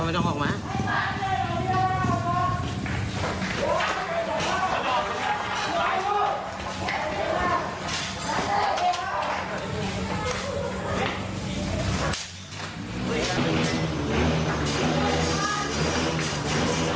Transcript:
โดนรถโหลนะมึง